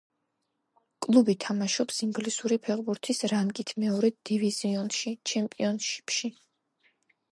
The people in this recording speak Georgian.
კლუბი თამაშობს ინგლისური ფეხბურთის რანგით მეორე დივიზიონში ჩემპიონშიპში.